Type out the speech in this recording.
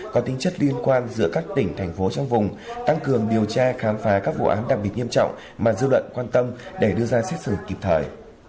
có tính chất liên quan giữa các tỉnh thành phố trong vùng tăng cường điều tra khám phá các vụ án đặc biệt nghiêm trọng mà dư luận quan tâm để đưa ra xét xử kịp thời